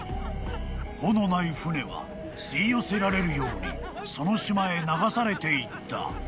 ［帆のない船は吸い寄せられるようにその島へ流されていった］